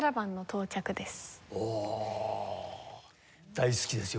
大好きですよ